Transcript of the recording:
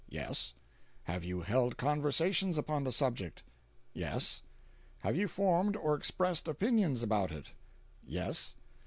"Yes." "Have you held conversations upon the subject?" "Yes." "Have you formed or expressed opinions about it?" "Yes."